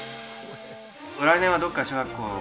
来年はどこか小学校を？